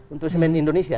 untuk semen indonesia